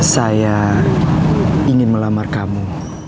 saya ingin melamar kamu